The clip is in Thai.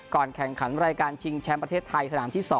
แข่งขันรายการชิงแชมป์ประเทศไทยสนามที่๒